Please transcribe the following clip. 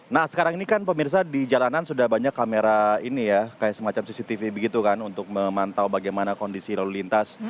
nah sekarang ini kan pemirsa di jalanan sudah banyak kamera ini ya kayak semacam cctv begitu kan untuk memantau bagaimana kondisi lalu lintas